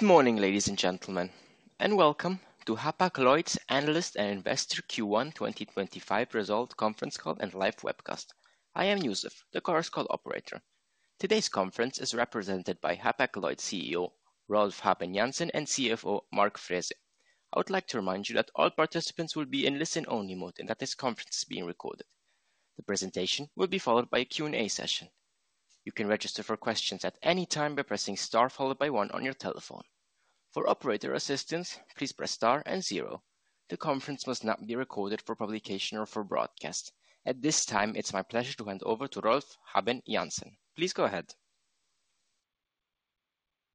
Good morning, ladies and gentlemen, and welcome to Hapag-Lloyd's analyst and Investor Q1 2025 result conference call and live webcast. I am Yusuf, the course call operator. Today's conference is represented by Hapag-Lloyd CEO Rolf Habben Jansen and CFO Mark Frese. I would like to remind you that all participants will be in listen-only mode and that this conference is being recorded. The presentation will be followed by a Q&A session. You can register for questions at any time by pressing star followed by one on your telephone. For operator assistance, please press star and zero. The conference must not be recorded for publication or for broadcast. At this time, it's my pleasure to hand over to Rolf Habben Jansen. Please go ahead.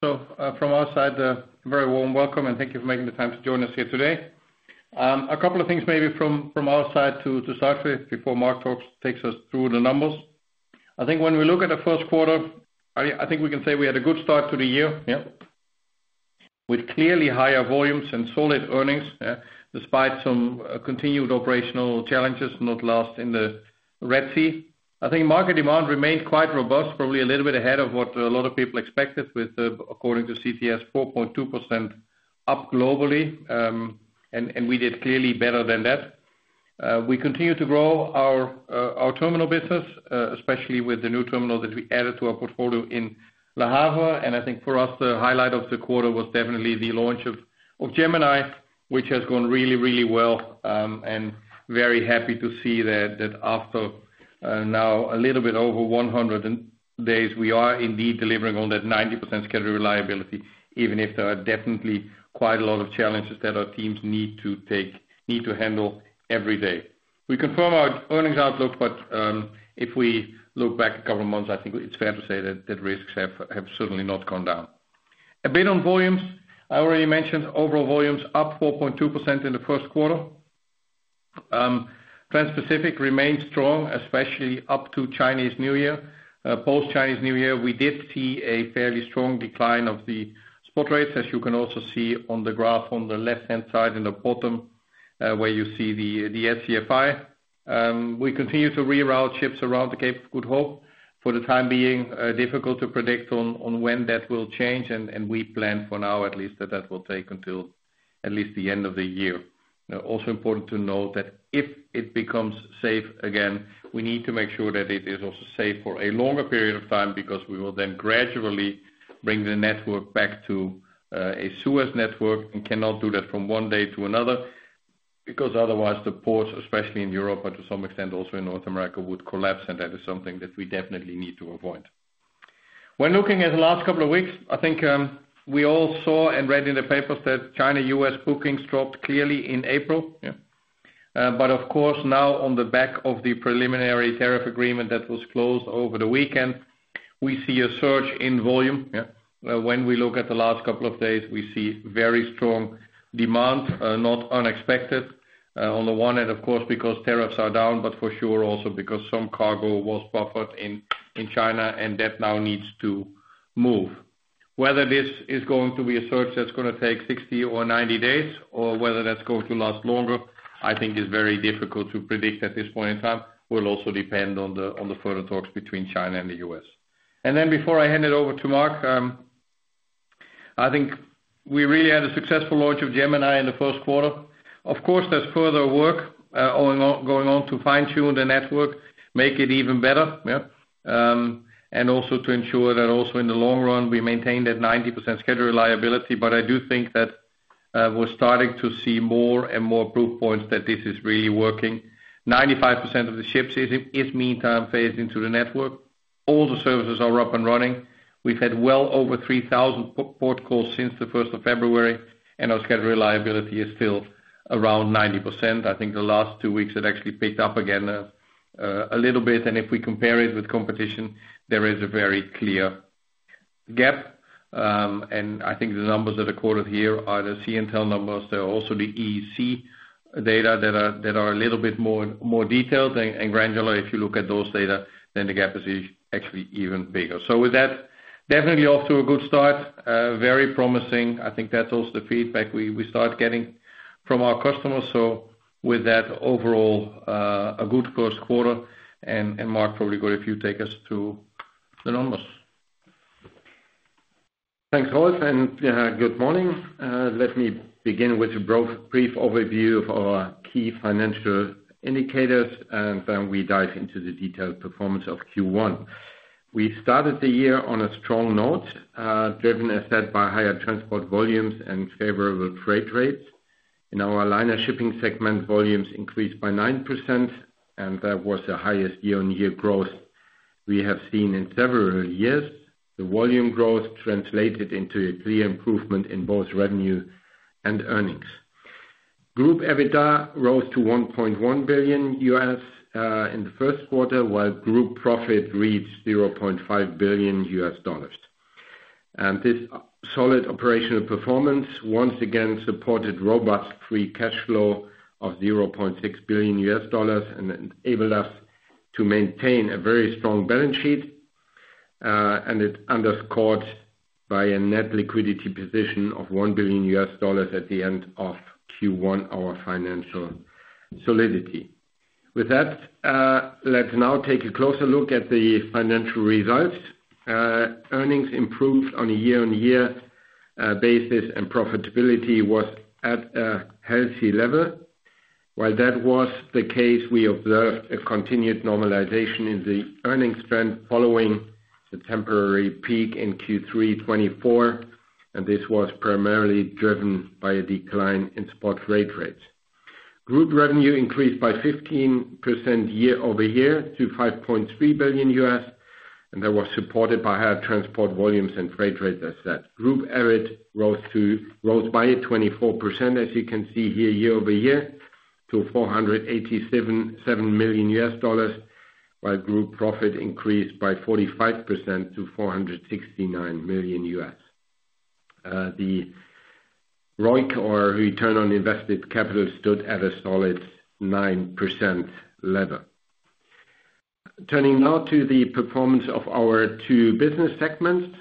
From our side, a very warm welcome and thank you for making the time to join us here today. A couple of things maybe from our side to start with before Mark takes us through the numbers. I think when we look at the first quarter, I think we can say we had a good start to the year, yeah, with clearly higher volumes and solid earnings, yeah, despite some continued operational challenges not lost in the Red Sea. I think market demand remained quite robust, probably a little bit ahead of what a lot of people expected with, according to CTS, 4.2% up globally, and we did clearly better than that. We continue to grow our terminal business, especially with the new terminal that we added to our portfolio in Le Havre. I think for us, the highlight of the quarter was definitely the launch of Gemini, which has gone really, really well. Very happy to see that after now a little bit over 100 days, we are indeed delivering on that 90% scheduled reliability, even if there are definitely quite a lot of challenges that our teams need to handle every day. We confirm our earnings outlook. If we look back a couple of months, I think it's fair to say that risks have certainly not gone down. A bit on volumes, I already mentioned overall volumes up 4.2% in the first quarter. Trans-Pacific remained strong, especially up to Chinese New Year. Post-Chinese New Year, we did see a fairly strong decline of the spot rates, as you can also see on the graph on the left-hand side in the bottom where you see the SCFI. We continue to reroute ships around the Cape of Good Hope. For the time being, difficult to predict on when that will change, and we plan for now at least that that will take until at least the end of the year. Also important to note that if it becomes safe again, we need to make sure that it is also safe for a longer period of time because we will then gradually bring the network back to a Suez network and cannot do that from one day to another because otherwise the ports, especially in Europe but to some extent also in North America, would collapse, and that is something that we definitely need to avoid. When looking at the last couple of weeks, I think we all saw and read in the papers that China-U.S. bookings dropped clearly in April, yeah. Of course, now on the back of the preliminary tariff agreement that was closed over the weekend, we see a surge in volume, yeah. When we look at the last couple of days, we see very strong demand, not unexpected on the one end, of course, because tariffs are down, but for sure also because some cargo was buffered in China and that now needs to move. Whether this is going to be a surge that's going to take 60 or 90 days or whether that's going to last longer, I think is very difficult to predict at this point in time. It will also depend on the further talks between China and the U.S. Before I hand it over to Mark, I think we really had a successful launch of Gemini in the first quarter. Of course, there's further work going on to fine-tune the network, make it even better, yeah, and also to ensure that also in the long run we maintain that 90% scheduled reliability. I do think that we're starting to see more and more proof points that this is really working. 95% of the ships is meantime phased into the network. All the services are up and running. We've had well over 3,000 port calls since the 1st of February, and our scheduled reliability is still around 90%. I think the last two weeks have actually picked up again a little bit, and if we compare it with competition, there is a very clear gap. I think the numbers that are quoted here are the C&L numbers. There are also the EEC data that are a little bit more detailed and granular. If you look at those data, then the gap is actually even bigger. With that, definitely off to a good start, very promising. I think that's also the feedback we start getting from our customers. With that overall, a good first quarter, and Mark probably got a few takers to the numbers. Thanks, Rolf, and good morning. Let me begin with a brief overview of our key financial indicators, and then we dive into the detailed performance of Q1. We started the year on a strong note, driven, as said, by higher transport volumes and favorable freight rates. In our line of shipping segment, volumes increased by 9%, and that was the highest year-on-year growth we have seen in several years. The volume growth translated into a clear improvement in both revenue and earnings. Group EBITDA rose to $1.1 billion in the first quarter, while group profit reached $0.5 billion. This solid operational performance once again supported robust free cash flow of $0.6 billion and enabled us to maintain a very strong balance sheet, and it underscored by a net liquidity position of $1 billion at the end of Q1, our financial solidity. With that, let's now take a closer look at the financial results. Earnings improved on a year-on-year basis, and profitability was at a healthy level. While that was the case, we observed a continued normalization in the earnings trend following the temporary peak in Q3 2024, and this was primarily driven by a decline in spot freight rates. Group revenue increased by 15% year over year to $5.3 billion, and that was supported by higher transport volumes and freight rates, as said. Group EBIT rose by 24%, as you can see here, year over year to $487 million, while group profit increased by 45% to $469 million. The ROIC, or return on invested capital, stood at a solid 9% level. Turning now to the performance of our two business segments,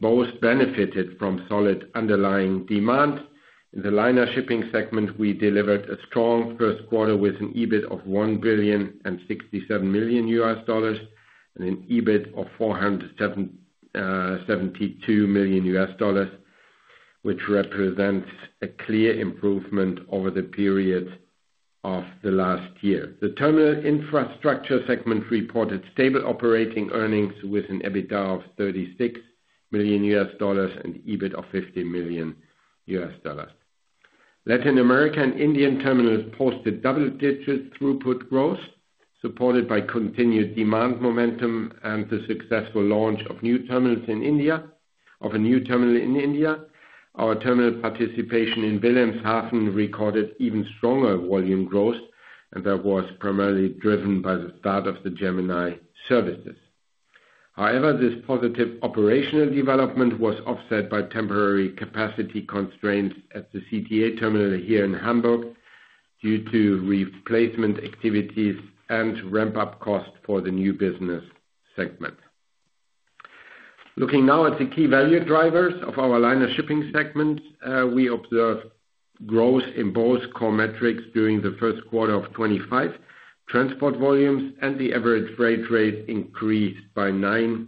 both benefited from solid underlying demand. In the line of shipping segment, we delivered a strong first quarter with an EBIT of $1,067,000,000 and an EBITDA of $472,000,000, which represents a clear improvement over the period of the last year. The terminal infrastructure segment reported stable operating earnings with an EBITDA of $36,000,000 and EBIT of $50,000,000. Latin American and Indian terminals posted double-digit throughput growth, supported by continued demand momentum and the successful launch of a new terminal in India. Our terminal participation in Wilhelmshaven recorded even stronger volume growth, and that was primarily driven by the start of the Gemini services. However, this positive operational development was offset by temporary capacity constraints at the CTA terminal here in Hamburg due to replacement activities and ramp-up cost for the new business segment. Looking now at the key value drivers of our line of shipping segments, we observed growth in both core metrics during the first quarter of 2025. Transport volumes and the average freight rate increased by 9%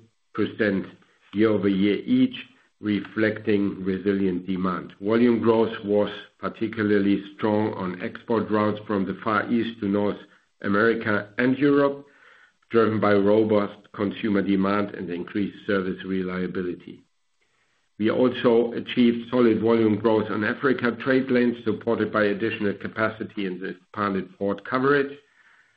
year over year each, reflecting resilient demand. Volume growth was particularly strong on export routes from the Far East to North America and Europe, driven by robust consumer demand and increased service reliability. We also achieved solid volume growth on Africa trade lanes, supported by additional capacity and expanded port coverage.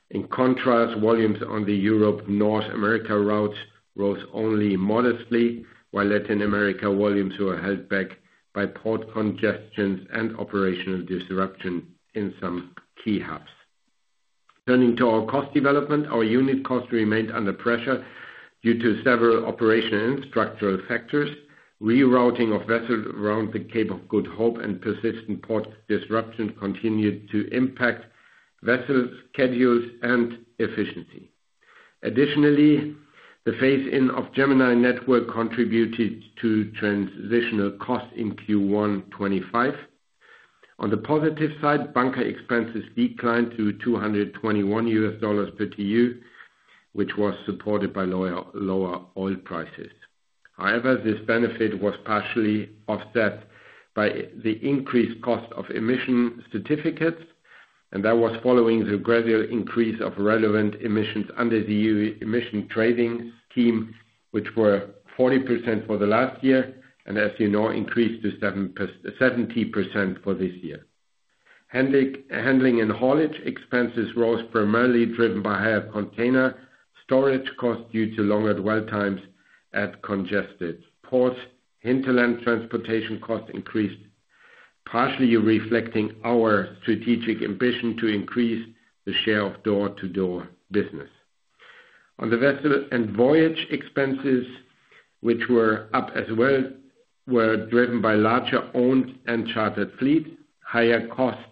In contrast, volumes on the Europe-North America routes rose only modestly, while Latin America volumes were held back by port congestions and operational disruption in some key hubs. Turning to our cost development, our unit cost remained under pressure due to several operational and structural factors. Rerouting of vessels around the Cape of Good Hope and persistent port disruption continued to impact vessel schedules and efficiency. Additionally, the phase-in of Gemini network contributed to transitional costs in Q1 2025. On the positive side, bunker expenses declined to $221 per TEU, which was supported by lower oil prices. However, this benefit was partially offset by the increased cost of emission certificates, and that was following the gradual increase of relevant emissions under the EU Emission Trading Scheme, which were 40% for the last year and, as you know, increased to 70% for this year. Handling and haulage expenses rose primarily driven by higher container storage costs due to longer dwell times at congested ports. Hinterland transportation costs increased, partially reflecting our strategic ambition to increase the share of door-to-door business. On the vessel and voyage expenses, which were up as well, were driven by larger owned and chartered fleets, higher costs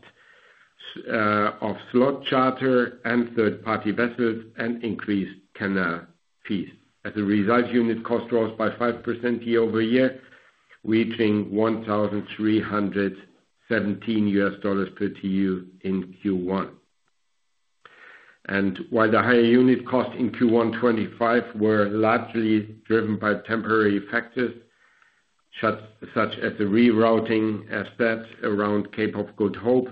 of slot charter and third-party vessels, and increased canal fees. As a result, unit cost rose by 5% year over year, reaching $1,317 per TEU in Q1. While the higher unit costs in Q1 2025 were largely driven by temporary factors such as the rerouting, as said, around Cape of Good Hope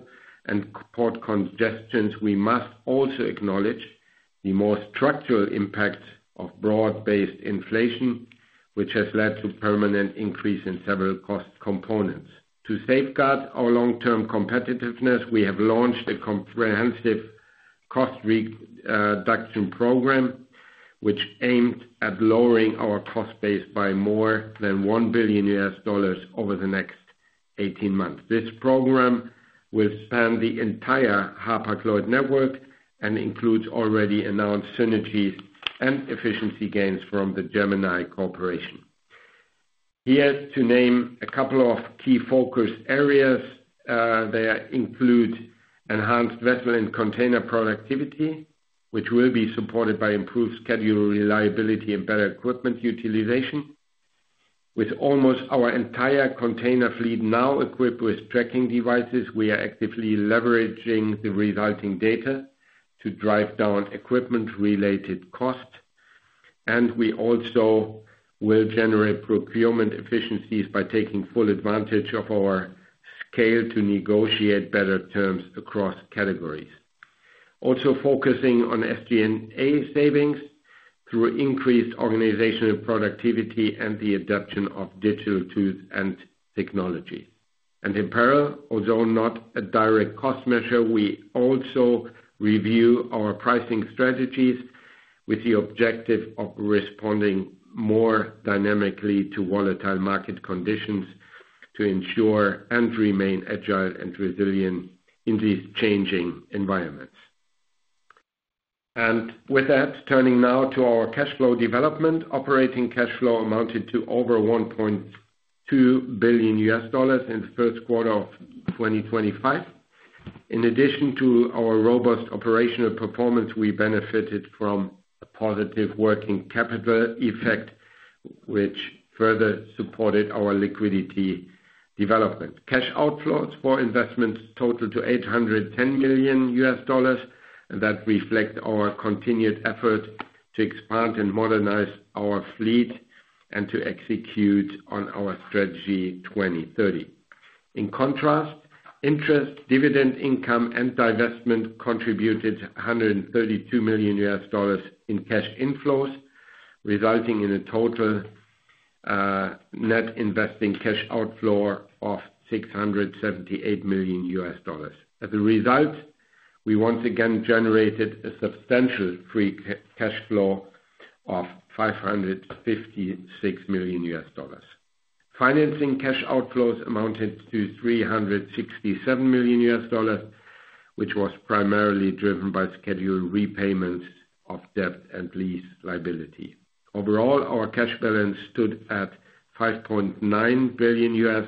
and port congestions, we must also acknowledge the more structural impact of broad-based inflation, which has led to a permanent increase in several cost components. To safeguard our long-term competitiveness, we have launched a comprehensive cost reduction program, which aims at lowering our cost base by more than $1 billion over the next 18 months. This program will span the entire Hapag-Lloyd network and includes already announced synergies and efficiency gains from the Gemini network. Here to name a couple of key focus areas, they include enhanced vessel and container productivity, which will be supported by improved schedule reliability and better equipment utilization. With almost our entire container fleet now equipped with tracking devices, we are actively leveraging the resulting data to drive down equipment-related costs, and we also will generate procurement efficiencies by taking full advantage of our scale to negotiate better terms across categories. Also focusing on SG&A savings through increased organizational productivity and the adoption of digital tools and technologies. In parallel, although not a direct cost measure, we also review our pricing strategies with the objective of responding more dynamically to volatile market conditions to ensure we remain agile and resilient in these changing environments. With that, turning now to our cash flow development, operating cash flow amounted to over $1.2 billion in the first quarter of 2025. In addition to our robust operational performance, we benefited from a positive working capital effect, which further supported our liquidity development. Cash outflows for investments totaled $810 million, and that reflects our continued effort to expand and modernize our fleet and to execute on our strategy 2030. In contrast, interest, dividend income, and divestment contributed $132 million in cash inflows, resulting in a total net investing cash outflow of $678 million. As a result, we once again generated a substantial free cash flow of $556 million. Financing cash outflows amounted to $367 million, which was primarily driven by scheduled repayments of debt and lease liability. Overall, our cash balance stood at $5.9 billion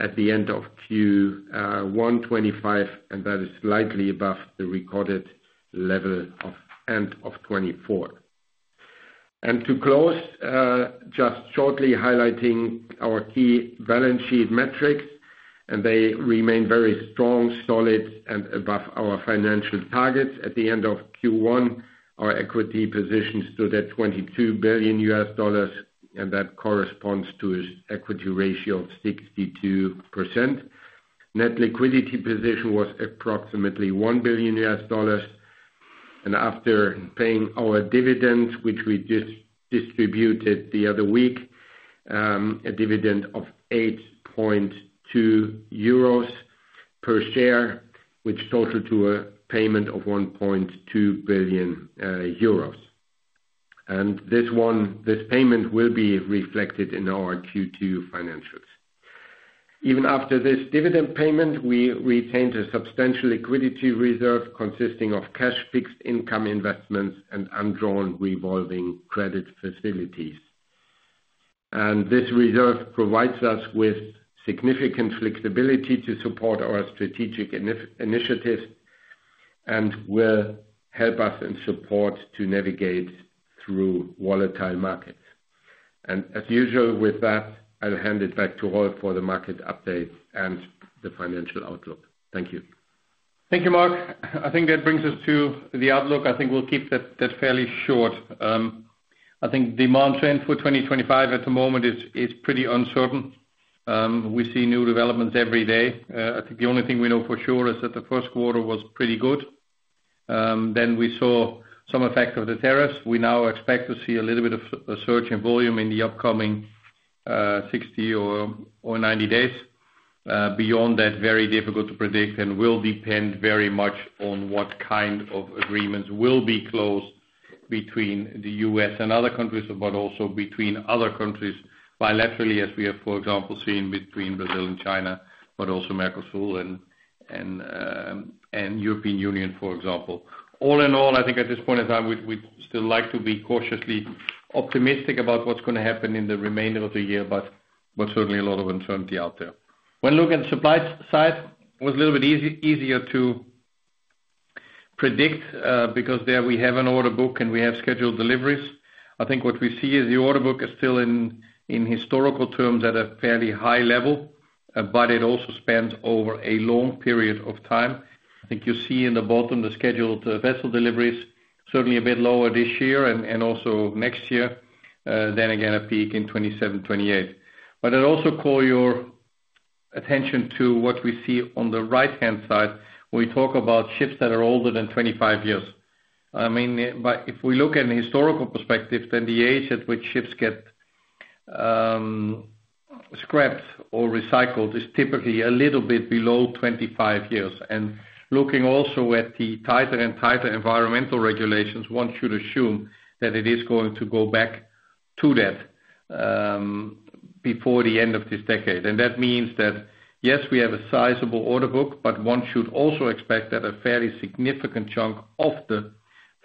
at the end of Q1 2025, and that is slightly above the recorded level at the end of 2024. To close, just shortly highlighting our key balance sheet metrics, and they remain very strong, solid, and above our financial targets. At the end of Q1, our equity position stood at $22 billion, and that corresponds to an equity ratio of 62%. Net liquidity position was approximately $1 billion, and after paying our dividends, which we just distributed the other week, a dividend of 8.2 euros per share, which totaled to a payment of 1.2 billion euros. This payment will be reflected in our Q2 financials. Even after this dividend payment, we retained a substantial liquidity reserve consisting of cash, fixed income investments, and undrawn revolving credit facilities. This reserve provides us with significant flexibility to support our strategic initiatives and will help us in support to navigate through volatile markets. As usual, with that, I'll hand it back to Rolf for the market update and the financial outlook. Thank you. Thank you, Mark. I think that brings us to the outlook. I think we'll keep that fairly short. I think the demand trend for 2025 at the moment is pretty uncertain. We see new developments every day. I think the only thing we know for sure is that the first quarter was pretty good. We saw some effect of the tariffs. We now expect to see a little bit of a surge in volume in the upcoming 60 or 90 days. Beyond that, very difficult to predict and will depend very much on what kind of agreements will be closed between the U.S. and other countries, but also between other countries bilaterally, as we have, for example, seen between Brazil and China, but also Mercosur and the European Union, for example. All in all, I think at this point in time, we'd still like to be cautiously optimistic about what's going to happen in the remainder of the year, but certainly a lot of uncertainty out there. When looking at the supply side, it was a little bit easier to predict because there we have an order book and we have scheduled deliveries. I think what we see is the order book is still in historical terms at a fairly high level, but it also spans over a long period of time. I think you see in the bottom the scheduled vessel deliveries, certainly a bit lower this year and also next year than again a peak in 2027, 2028. I would also call your attention to what we see on the right-hand side when we talk about ships that are older than 25 years. I mean, if we look at a historical perspective, then the age at which ships get scrapped or recycled is typically a little bit below 25 years. I mean, looking also at the tighter and tighter environmental regulations, one should assume that it is going to go back to that before the end of this decade. That means that, yes, we have a sizable order book, but one should also expect that a fairly significant chunk of the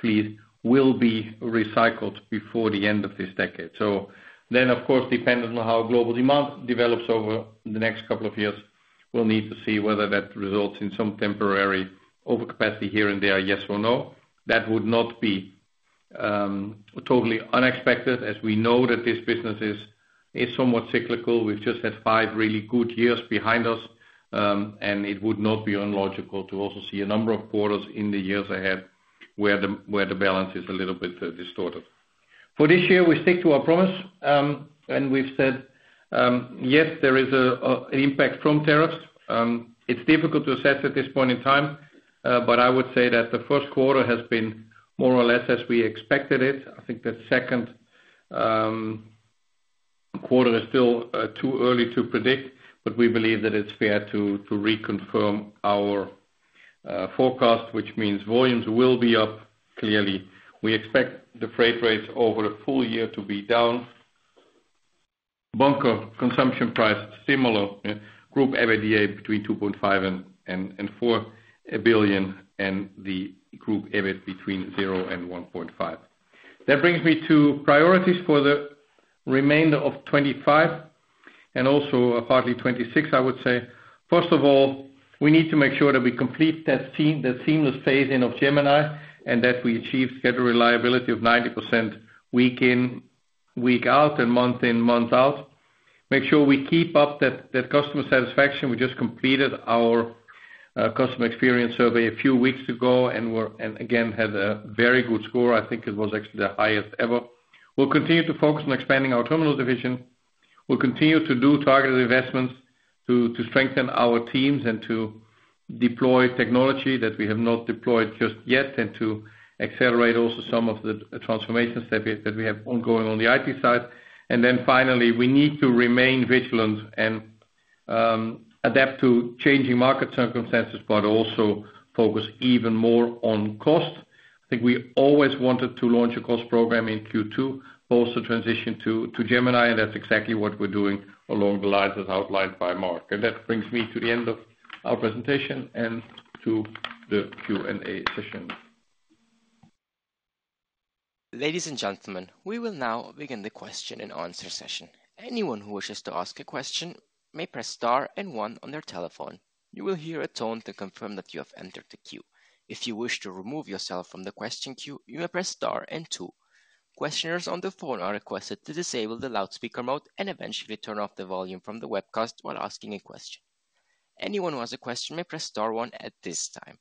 fleet will be recycled before the end of this decade. Of course, dependent on how global demand develops over the next couple of years, we'll need to see whether that results in some temporary overcapacity here and there, yes or no. That would not be totally unexpected. As we know, this business is somewhat cyclical, we've just had five really good years behind us, and it would not be unlogical to also see a number of quarters in the years ahead where the balance is a little bit distorted. For this year, we stick to our promise, and we've said, yes, there is an impact from tariffs. It's difficult to assess at this point in time, but I would say that the first quarter has been more or less as we expected it. I think the second quarter is still too early to predict, but we believe that it's fair to reconfirm our forecast, which means volumes will be up clearly. We expect the freight rates over the full year to be down. Bunker consumption price, similar group EBITDA between $2.5 billion-$4 billion, and the group EBIT between $0-$1.5 billion. That brings me to priorities for the remainder of 2025 and also partly 2026, I would say. First of all, we need to make sure that we complete that seamless phase-in of Gemini and that we achieve scheduled reliability of 90% week in, week out, and month in, month out. Make sure we keep up that customer satisfaction. We just completed our customer experience survey a few weeks ago and again had a very good score. I think it was actually the highest ever. We'll continue to focus on expanding our terminal division. We'll continue to do targeted investments to strengthen our teams and to deploy technology that we have not deployed just yet and to accelerate also some of the transformations that we have ongoing on the IT side. Finally, we need to remain vigilant and adapt to changing market circumstances, but also focus even more on cost. I think we always wanted to launch a cost program in Q2, both the transition to Gemini, and that's exactly what we're doing along the lines as outlined by Mark. That brings me to the end of our presentation and to the Q&A session. Ladies and gentlemen, we will now begin the question and answer session. Anyone who wishes to ask a question may press star and one on their telephone. You will hear a tone to confirm that you have entered the queue. If you wish to remove yourself from the question queue, you may press star and two. Questioners on the phone are requested to disable the loudspeaker mode and eventually turn off the volume from the webcast while asking a question. Anyone who has a question may press star one at this time.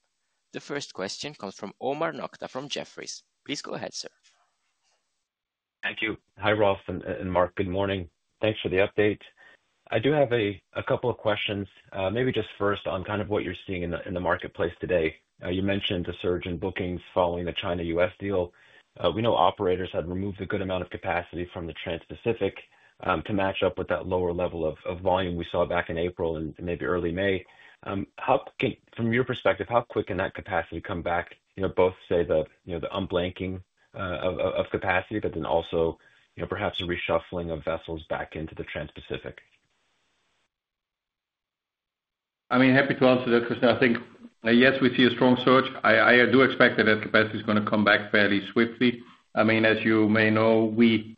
The first question comes from Omar Nokta from Jefferies. Please go ahead, sir. Thank you. Hi, Rolf and Mark. Good morning. Thanks for the update. I do have a couple of questions, maybe just first on kind of what you're seeing in the marketplace today. You mentioned the surge in bookings following the China-US deal. We know operators had removed a good amount of capacity from the Trans-Pacific to match up with that lower level of volume we saw back in April and maybe early May. From your perspective, how quick can that capacity come back, both say the unblanking of capacity, but then also perhaps a reshuffling of vessels back into the Trans-Pacific? I mean, happy to answer that, Christian. I think, yes, we see a strong surge. I do expect that that capacity is going to come back fairly swiftly. I mean, as you may know, we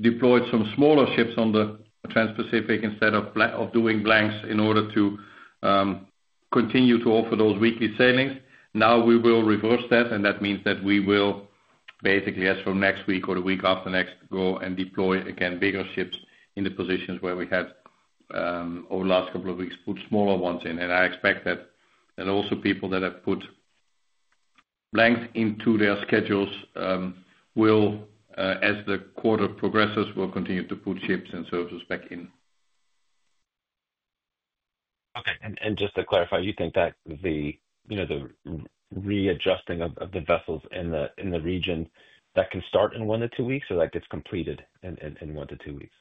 deployed some smaller ships on the Trans-Pacific instead of doing blanks in order to continue to offer those weekly sailings. Now we will reverse that, and that means that we will basically, as from next week or the week after next, go and deploy again bigger ships in the positions where we had over the last couple of weeks put smaller ones in. I expect that also people that have put blanks into their schedules will, as the quarter progresses, will continue to put ships and services back in. Okay. Just to clarify, you think that the readjusting of the vessels in the region, that can start in one to two weeks or that gets completed in one to two weeks?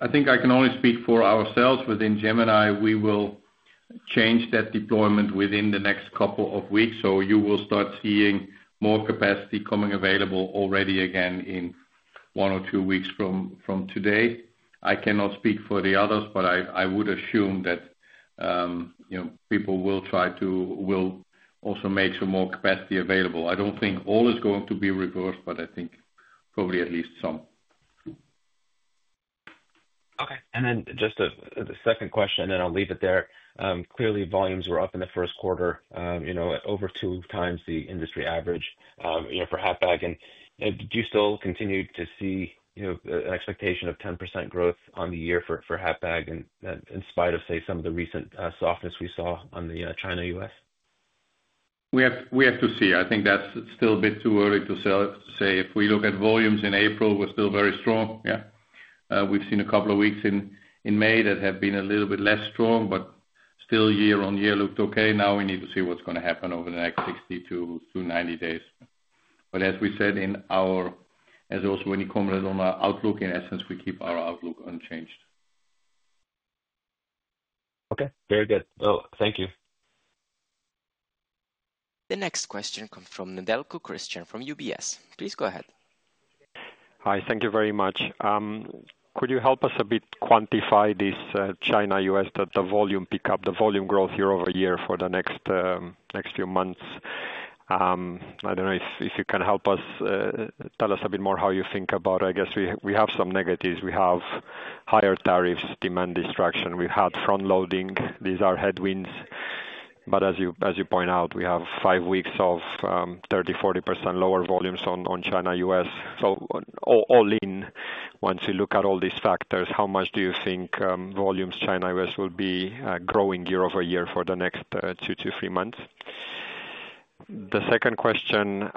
I think I can only speak for ourselves within Gemini. We will change that deployment within the next couple of weeks. You will start seeing more capacity coming available already again in one or two weeks from today. I cannot speak for the others, but I would assume that people will try to also make some more capacity available. I do not think all is going to be reversed, but I think probably at least some. Okay. And then just a second question, and then I'll leave it there. Clearly, volumes were up in the first quarter, over two times the industry average for Hapag. Do you still continue to see an expectation of 10% growth on the year for Hapag in spite of, say, some of the recent softness we saw on the China-U.S.? We have to see. I think that's still a bit too early to say. If we look at volumes in April, we're still very strong. Yeah. We've seen a couple of weeks in May that have been a little bit less strong, but still year on year looked okay. We need to see what's going to happen over the next 60-90 days. As we said in our, as also when you commented on our outlook, in essence, we keep our outlook unchanged. Okay. Very good. Thank you. The next question comes from Nedelcu Cristian from UBS. Please go ahead. Hi. Thank you very much. Could you help us a bit quantify this China-US, the volume pickup, the volume growth year over year for the next few months? I don't know if you can help us tell us a bit more how you think about, I guess we have some negatives. We have higher tariffs, demand destruction. We've had front loading. These are headwinds. As you point out, we have five weeks of 30-40% lower volumes on China-US. All in, once we look at all these factors, how much do you think volumes China-US will be growing year over year for the next two, three, four months? The second question,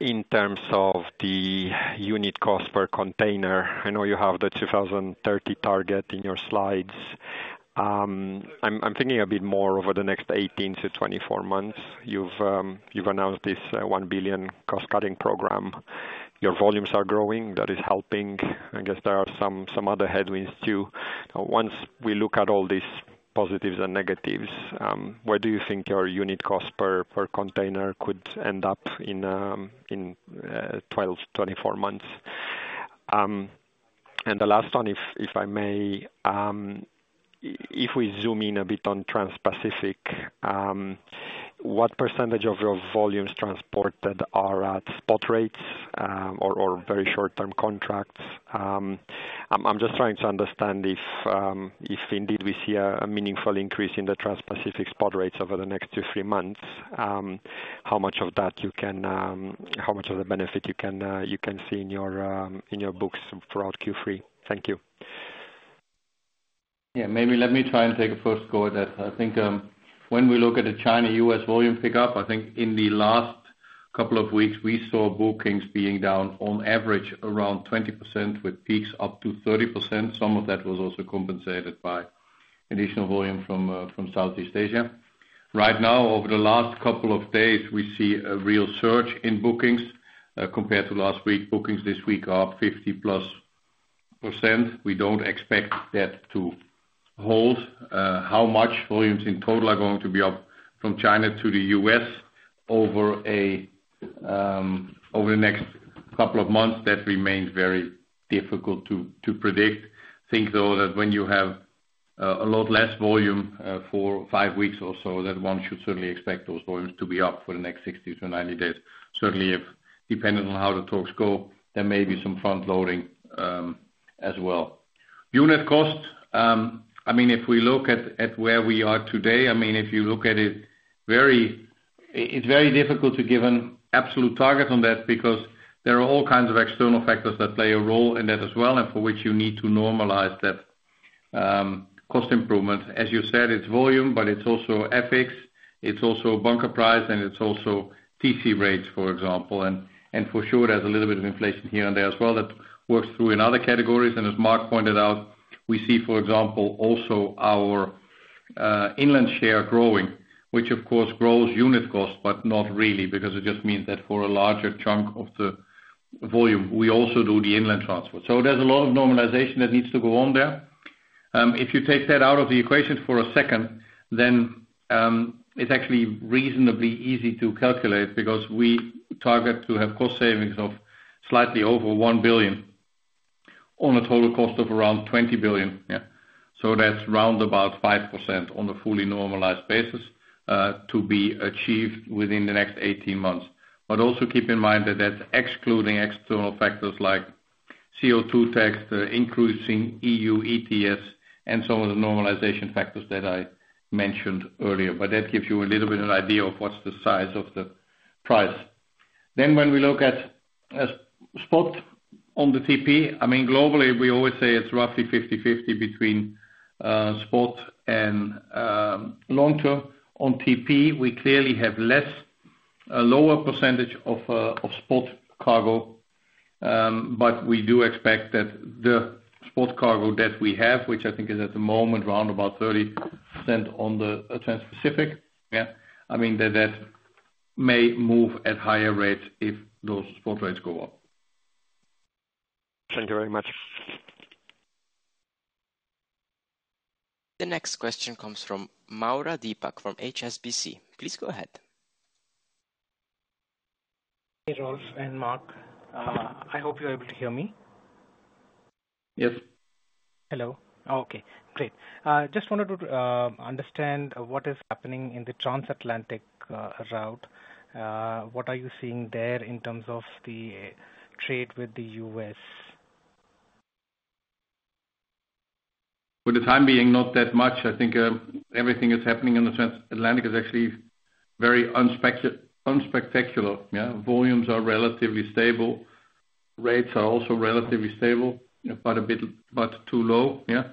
in terms of the unit cost per container, I know you have the 2030 target in your slides. I'm thinking a bit more over the next 18-24 months. You've announced this $1 billion cost-cutting program. Your volumes are growing. That is helping. I guess there are some other headwinds too. Once we look at all these positives and negatives, where do you think your unit cost per container could end up in 12-24 months? The last one, if I may, if we zoom in a bit on Trans-Pacific, what % of your volumes transported are at spot rates or very short-term contracts? I'm just trying to understand if indeed we see a meaningful increase in the Trans-Pacific spot rates over the next two, three months, how much of that you can, how much of the benefit you can see in your books throughout Q3. Thank you. Yeah. Maybe let me try and take a first go at that. I think when we look at the China-U.S. volume pickup, I think in the last couple of weeks, we saw bookings being down on average around 20% with peaks up to 30%. Some of that was also compensated by additional volume from Southeast Asia. Right now, over the last couple of days, we see a real surge in bookings compared to last week. Bookings this week are 50+%. We do not expect that to hold. How much volumes in total are going to be up from China to the U.S. over the next couple of months, that remains very difficult to predict. I think, though, that when you have a lot less volume for five weeks or so, that one should certainly expect those volumes to be up for the next 60-90 days. Certainly, depending on how the talks go, there may be some front loading as well. Unit cost, I mean, if we look at where we are today, I mean, if you look at it, it's very difficult to give an absolute target on that because there are all kinds of external factors that play a role in that as well and for which you need to normalize that cost improvement. As you said, it's volume, but it's also FX. It's also bunker price, and it's also TC rates, for example. For sure, there's a little bit of inflation here and there as well that works through in other categories. As Mark pointed out, we see, for example, also our inland share growing, which of course grows unit cost, but not really because it just means that for a larger chunk of the volume, we also do the inland transport. There is a lot of normalization that needs to go on there. If you take that out of the equation for a second, then it is actually reasonably easy to calculate because we target to have cost savings of slightly over $1 billion on a total cost of around $20 billion. Yeah. That is round about 5% on a fully normalized basis to be achieved within the next 18 months. Also keep in mind that that is excluding external factors like CO2 tax, the increasing EU ETS, and some of the normalization factors that I mentioned earlier. That gives you a little bit of an idea of what's the size of the price. When we look at spot on the TP, I mean, globally, we always say it's roughly 50/50 between spot and long-term. On TP, we clearly have less, a lower percentage of spot cargo, but we do expect that the spot cargo that we have, which I think is at the moment round about 30% on the Trans-Pacific, yeah, I mean, that may move at higher rates if those spot rates go up. Thank you very much. The next question comes from Maurya Deepak from HSBC. Please go ahead. Hey, Rolf and Mark. I hope you're able to hear me. Yes. Hello. Okay. Great. Just wanted to understand what is happening in the transatlantic route. What are you seeing there in terms of the trade with the U.S.? For the time being, not that much. I think everything that's happening in the transatlantic is actually very unspectacular. Yeah. Volumes are relatively stable. Rates are also relatively stable, but a bit too low. Yeah.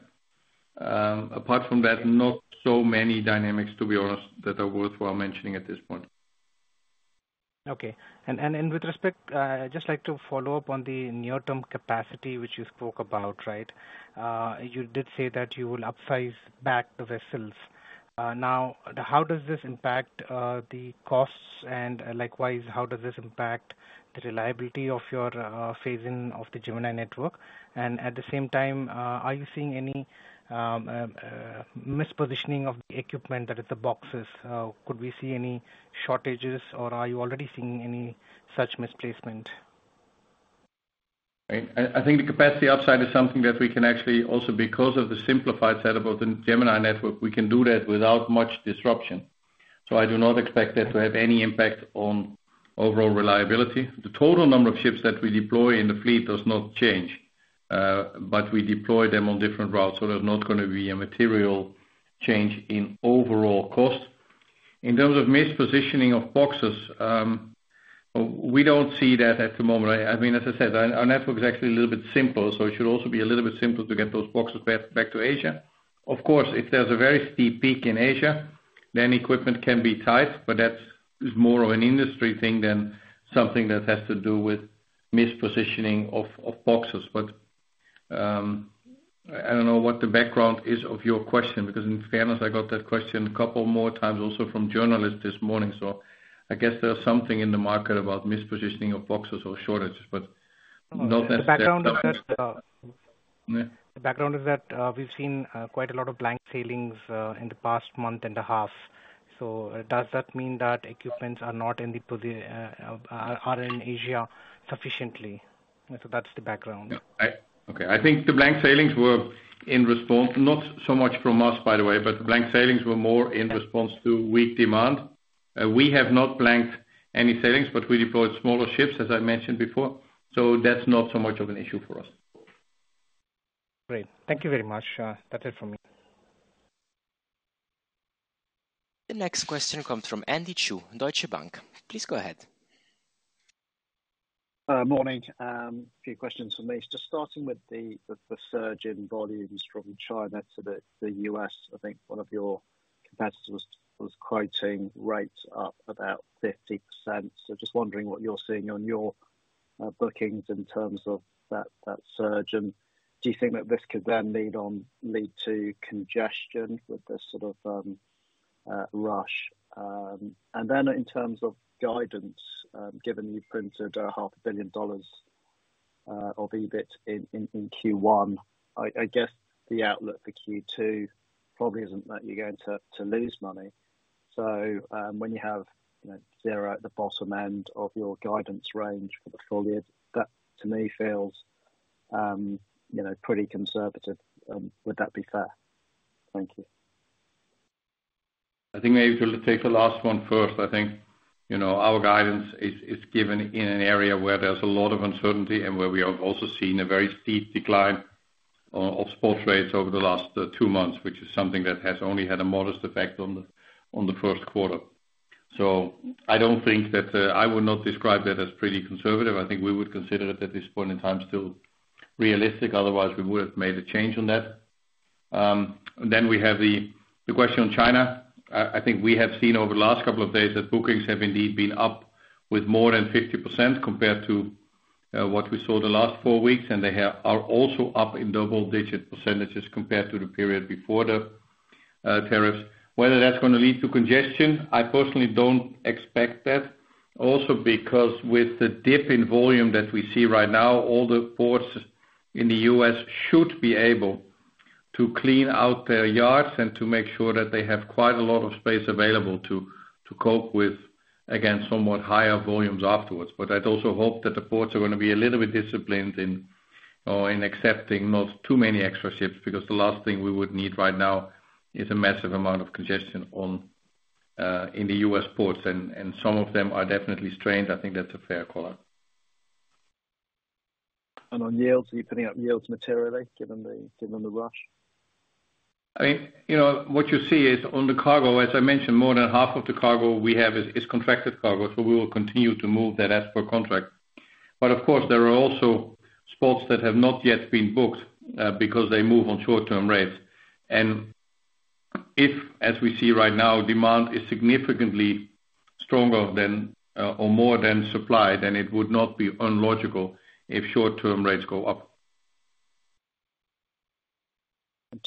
Apart from that, not so many dynamics, to be honest, that are worthwhile mentioning at this point. Okay. With respect, I'd just like to follow up on the near-term capacity, which you spoke about, right? You did say that you will upsize back the vessels. How does this impact the costs? Likewise, how does this impact the reliability of your phasing of the Gemini network? At the same time, are you seeing any mispositioning of the equipment, that is, the boxes? Could we see any shortages, or are you already seeing any such misplacement? I think the capacity upside is something that we can actually also, because of the simplified setup of the Gemini network, we can do that without much disruption. I do not expect that to have any impact on overall reliability. The total number of ships that we deploy in the fleet does not change, but we deploy them on different routes. There is not going to be a material change in overall cost. In terms of mispositioning of boxes, we do not see that at the moment. I mean, as I said, our network is actually a little bit simpler, so it should also be a little bit simpler to get those boxes back to Asia. Of course, if there is a very steep peak in Asia, then equipment can be tight, but that is more of an industry thing than something that has to do with mispositioning of boxes. I do not know what the background is of your question because, in fairness, I got that question a couple more times also from journalists this morning. I guess there is something in the market about mispositioning of boxes or shortages, but not necessarily. The background is that we've seen quite a lot of blank sailings in the past month and a half. Does that mean that equipment are not in Asia sufficiently? That's the background. Okay. I think the blank sailings were in response, not so much from us, by the way, but blank sailings were more in response to weak demand. We have not blanked any sailings, but we deployed smaller ships, as I mentioned before. That is not so much of an issue for us. Great. Thank you very much. That's it from me. The next question comes from Andy Chu, Deutsche Bank. Please go ahead. Morning. A few questions for me. Just starting with the surge in volumes from China to the U.S., I think one of your competitors was quoting rates up about 50%. Just wondering what you're seeing on your bookings in terms of that surge. Do you think that this could then lead to congestion with this sort of rush? In terms of guidance, given you printed $500,000,000 of EBIT in Q1, I guess the outlook for Q2 probably is not that you're going to lose money. When you have zero at the bottom end of your guidance range for the folios, that to me feels pretty conservative. Would that be fair? Thank you. I think maybe we'll take the last one first. I think our guidance is given in an area where there's a lot of uncertainty and where we have also seen a very steep decline of spot rates over the last two months, which is something that has only had a modest effect on the first quarter. I don't think that I would not describe that as pretty conservative. I think we would consider it at this point in time still realistic. Otherwise, we would have made a change on that. Then we have the question on China. I think we have seen over the last couple of days that bookings have indeed been up with more than 50% compared to what we saw the last four weeks, and they are also up in double-digit percentages compared to the period before the tariffs. Whether that's going to lead to congestion, I personally don't expect that. Also because with the dip in volume that we see right now, all the ports in the U.S. should be able to clean out their yards and to make sure that they have quite a lot of space available to cope with, again, somewhat higher volumes afterwards. I'd also hope that the ports are going to be a little bit disciplined in accepting not too many extra ships because the last thing we would need right now is a massive amount of congestion in the U.S. ports. Some of them are definitely strained. I think that's a fair call out. Are you putting up yields materially given the rush? I mean, what you see is on the cargo, as I mentioned, more than half of the cargo we have is contracted cargo. We will continue to move that as per contract. Of course, there are also spots that have not yet been booked because they move on short-term rates. If, as we see right now, demand is significantly stronger or more than supply, then it would not be unlogical if short-term rates go up.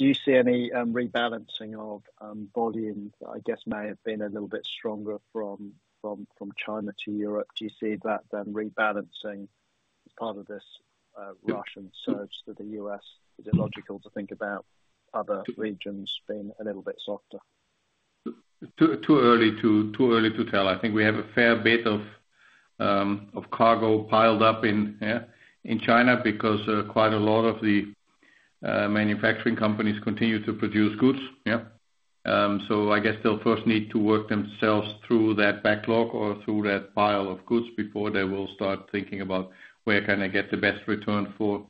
Do you see any rebalancing of volumes that I guess may have been a little bit stronger from China to Europe? Do you see that then rebalancing as part of this rush and surge to the US? Is it logical to think about other regions being a little bit softer? Too early to tell. I think we have a fair bit of cargo piled up in China because quite a lot of the manufacturing companies continue to produce goods. Yeah. I guess they'll first need to work themselves through that backlog or through that pile of goods before they will start thinking about where can I get the best return for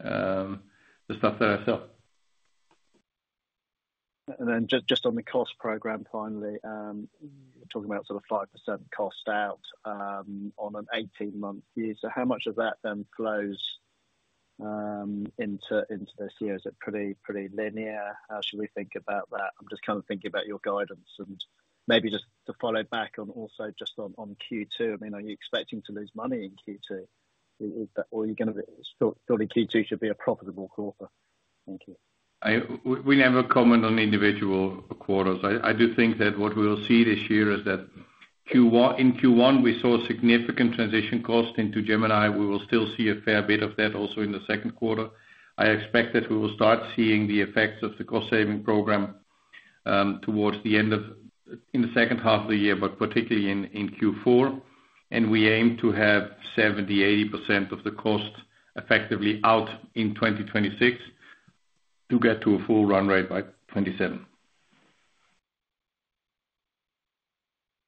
the stuff that I sell. Just on the cost program finally, we're talking about sort of 5% cost out on an 18-month view. How much of that then flows into the CO? Is it pretty linear? How should we think about that? I'm just kind of thinking about your guidance and maybe just to follow back on also just on Q2. I mean, are you expecting to lose money in Q2? Or are you going to sort of Q2 should be a profitable quarter? Thank you. We never comment on individual quarters. I do think that what we'll see this year is that in Q1, we saw significant transition cost into Gemini. We will still see a fair bit of that also in the second quarter. I expect that we will start seeing the effects of the cost-saving program towards the end of the second half of the year, particularly in Q4. We aim to have 70-80% of the cost effectively out in 2026 to get to a full run rate by 2027.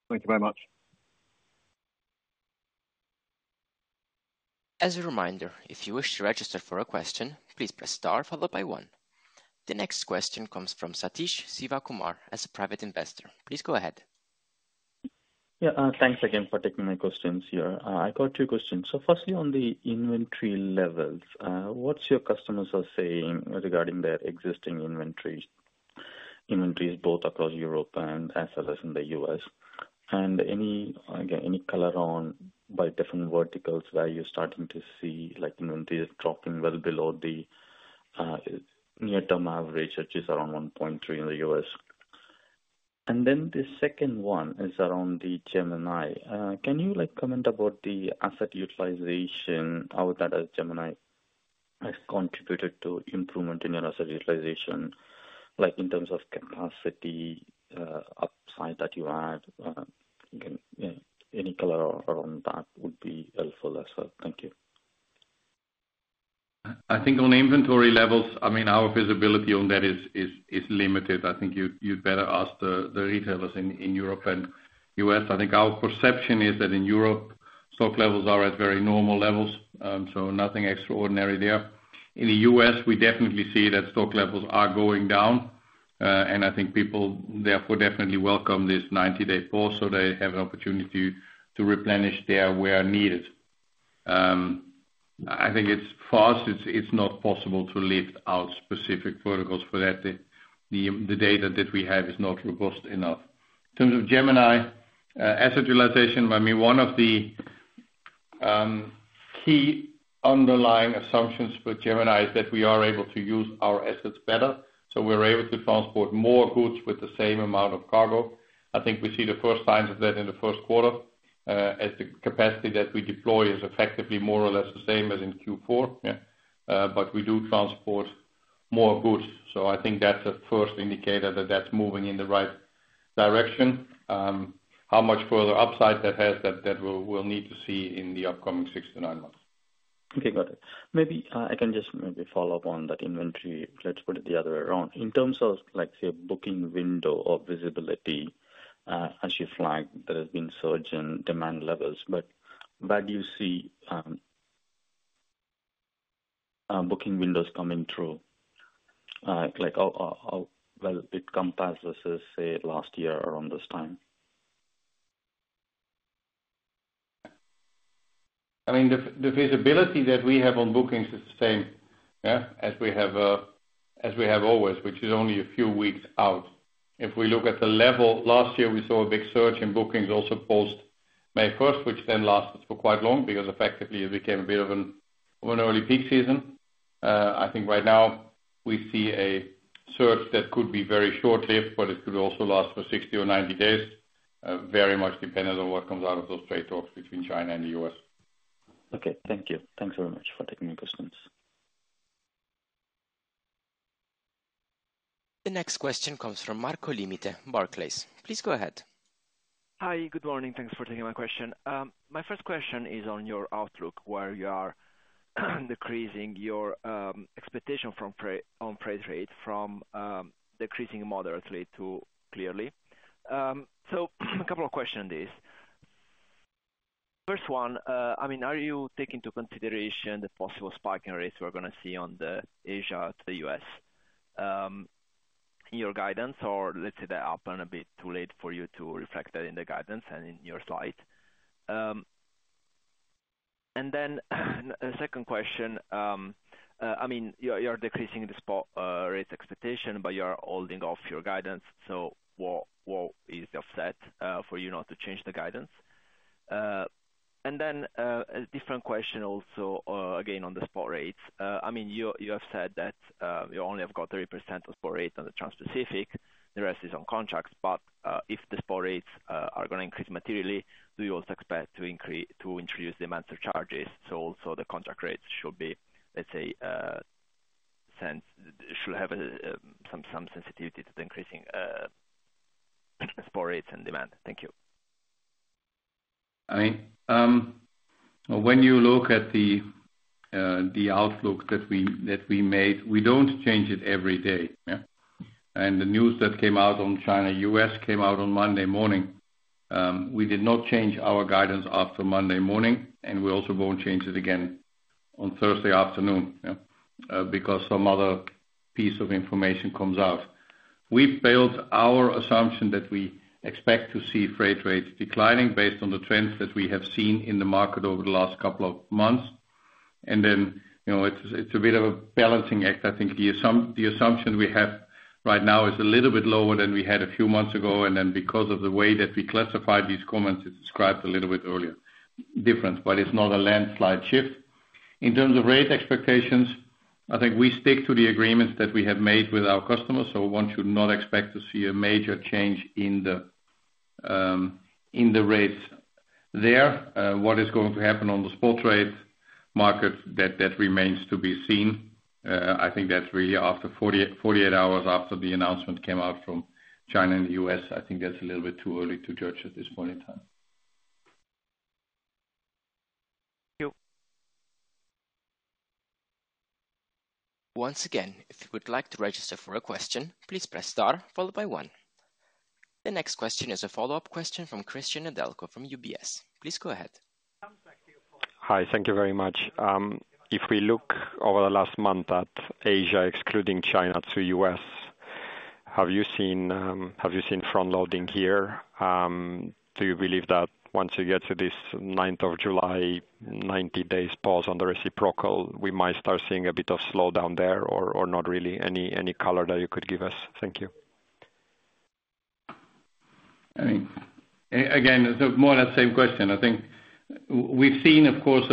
Thank you very much. As a reminder, if you wish to register for a question, please press star followed by one. The next question comes from Sathish Sivakumar as a private investor. Please go ahead. Yeah. Thanks again for taking my questions here. I got two questions. Firstly, on the inventory levels, what are your customers saying regarding their existing inventories both across Europe and in the U.S.? Any color on different verticals where you're starting to see inventory dropping well below the near-term average, which is around 1.3 in the U.S.? The second one is around the Gemini. Can you comment about the asset utilization? How has Gemini contributed to improvement in your asset utilization in terms of capacity upside that you add? Any color around that would be helpful as well. Thank you. I think on inventory levels, I mean, our visibility on that is limited. I think you'd better ask the retailers in Europe and the U.S. I think our perception is that in Europe, stock levels are at very normal levels. Nothing extraordinary there. In the U.S., we definitely see that stock levels are going down. I think people therefore definitely welcome this 90-day pause so they have an opportunity to replenish there where needed. I think it's fast. It's not possible to lift out specific verticals for that. The data that we have is not robust enough. In terms of Gemini asset utilization, I mean, one of the key underlying assumptions for Gemini is that we are able to use our assets better. We are able to transport more goods with the same amount of cargo. I think we see the first signs of that in the first quarter as the capacity that we deploy is effectively more or less the same as in Q4. Yeah. But we do transport more goods. I think that's a first indicator that that's moving in the right direction. How much further upside that has, that we'll need to see in the upcoming 6-9 months. Okay. Got it. Maybe I can just maybe follow up on that inventory. Let's put it the other way around. In terms of, say, booking window of visibility as you flagged that has been surge in demand levels, but where do you see booking windows coming through? It compares versus, say, last year around this time. I mean, the visibility that we have on bookings is the same, yeah, as we have always, which is only a few weeks out. If we look at the level, last year we saw a big surge in bookings also post-May 1, which then lasted for quite long because effectively it became a bit of an early peak season. I think right now we see a surge that could be very short-lived, but it could also last for 60 or 90 days, very much dependent on what comes out of those trade talks between China and the U.S. Okay. Thank you. Thanks very much for taking my questions. The next question comes from Marco Limite, Barclays. Please go ahead. Hi. Good morning. Thanks for taking my question. My first question is on your outlook where you are decreasing your expectation on price rate from decreasing moderately to clearly. A couple of questions on this. First one, I mean, are you taking into consideration the possible spike in rates we're going to see on the Asia to the U.S. in your guidance? Or let's say that happened a bit too late for you to reflect that in the guidance and in your slide. A second question. I mean, you're decreasing the rates expectation, but you're holding off your guidance. What is the offset for you not to change the guidance? A different question also, again, on the spot rates. I mean, you have said that you only have got 30% of spot rate on the Trans-Pacific. The rest is on contracts. If the spot rates are going to increase materially, do you also expect to introduce demand surcharges? Also, the contract rates should be, let's say, should have some sensitivity to the increasing spot rates and demand. Thank you. I mean, when you look at the outlook that we made, we do not change it every day. Yeah. The news that came out on China-US came out on Monday morning. We did not change our guidance after Monday morning, and we also will not change it again on Thursday afternoon because some other piece of information comes out. We have built our assumption that we expect to see freight rates declining based on the trends that we have seen in the market over the last couple of months. It is a bit of a balancing act. I think the assumption we have right now is a little bit lower than we had a few months ago. Because of the way that we classified these comments, as described a little bit earlier, difference, but it is not a landslide shift. In terms of rate expectations, I think we stick to the agreements that we have made with our customers. So one should not expect to see a major change in the rates there. What is going to happen on the spot rate market, that remains to be seen. I think that really after 48 hours after the announcement came out from China and the U.S., I think that's a little bit too early to judge at this point in time. Thank you. Once again, if you would like to register for a question, please press star followed by one. The next question is a follow up question from Cristian Nedelcu from UBS. Please go ahead. Hi. Thank you very much. If we look over the last month at Asia, excluding China to US, have you seen front-loading here? Do you believe that once you get to this 9th of July, 90 days pause on the reciprocal, we might start seeing a bit of slowdown there or not really? Any color that you could give us? Thank you. I mean, again, more or less same question. I think we've seen, of course,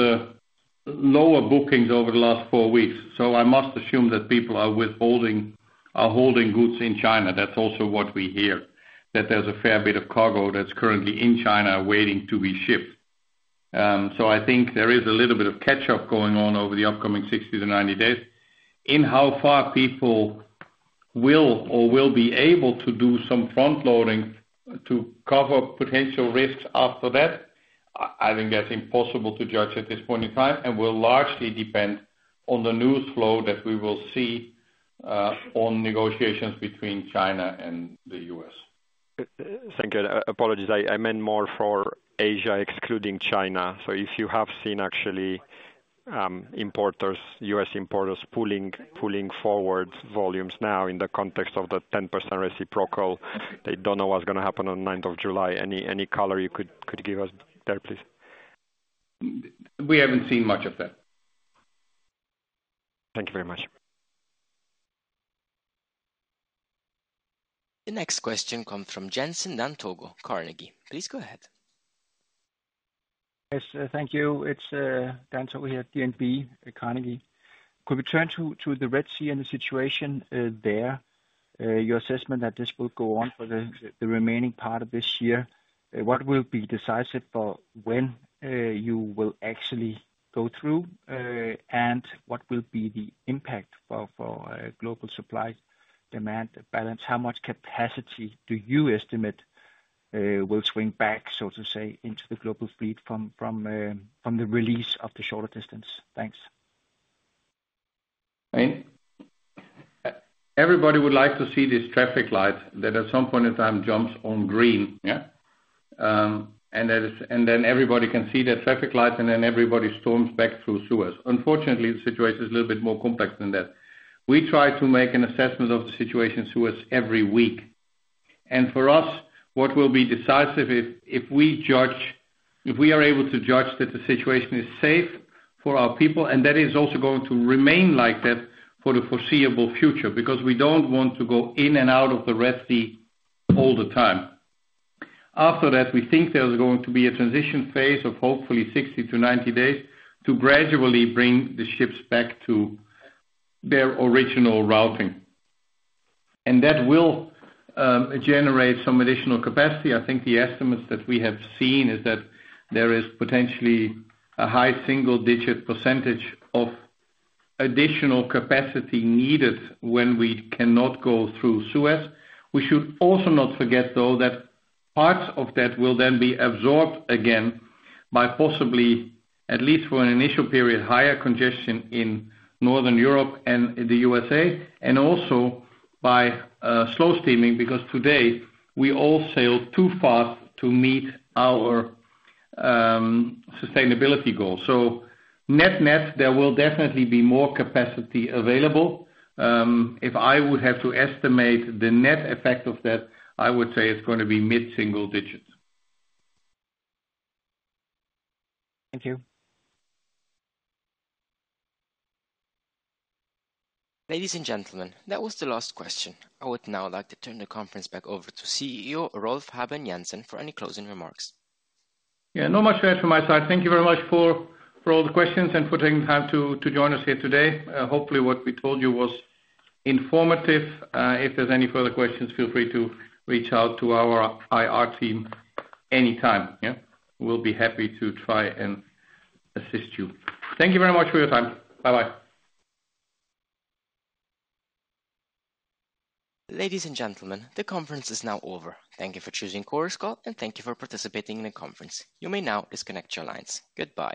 lower bookings over the last four weeks. I must assume that people are withholding goods in China. That's also what we hear, that there's a fair bit of cargo that's currently in China waiting to be shipped. I think there is a little bit of catch-up going on over the upcoming 60-90 days. In how far people will or will be able to do some front-loading to cover potential risks after that, I think that's impossible to judge at this point in time and will largely depend on the news flow that we will see on negotiations between China and the U.S. Thank you. Apologies. I meant more for Asia excluding China. If you have seen actually U.S. importers pulling forward volumes now in the context of the 10% reciprocal, they do not know what is going to happen on 9th of July. Any color you could give us there, please? We haven't seen much of that. Thank you very much. The next question comes from Jensen Dan Togo Carnegie. Please go ahead. Yes. Thank you. It's Dan Togo Jensen here at Carnegie Investment Bank. Could we turn to the Red Sea and the situation there? Your assessment that this will go on for the remaining part of this year, what will be decisive for when you will actually go through and what will be the impact for global supply demand balance? How much capacity do you estimate will swing back, so to say, into the global fleet from the release of the shorter distance? Thanks. I mean, everybody would like to see this traffic light that at some point in time jumps on green. Yeah. And then everybody can see that traffic light and then everybody storms back through Suez. Unfortunately, the situation is a little bit more complex than that. We try to make an assessment of the situation Suez every week. For us, what will be decisive is if we are able to judge that the situation is safe for our people, and that is also going to remain like that for the foreseeable future because we do not want to go in and out of the Red Sea all the time. After that, we think there is going to be a transition phase of hopefully 60-90 days to gradually bring the ships back to their original routing. That will generate some additional capacity. I think the estimates that we have seen is that there is potentially a high single-digit % of additional capacity needed when we cannot go through sewers. We should also not forget, though, that parts of that will then be absorbed again by possibly, at least for an initial period, higher congestion in Northern Europe and the U.S.A., and also by slow steaming because today we all sailed too fast to meet our sustainability goals. Net-net, there will definitely be more capacity available. If I would have to estimate the net effect of that, I would say it's going to be mid-single digits. Thank you. Ladies and gentlemen, that was the last question. I would now like to turn the conference back over to CEO Rolf Habben Jansen for any closing remarks. Yeah. Not much to add from my side. Thank you very much for all the questions and for taking the time to join us here today. Hopefully, what we told you was informative. If there's any further questions, feel free to reach out to our IR team anytime. Yeah. We'll be happy to try and assist you. Thank you very much for your time. Bye-bye. Ladies and gentlemen, the conference is now over. Thank you for choosing Hapag-Lloyd, and thank you for participating in the conference. You may now disconnect your lines. Goodbye.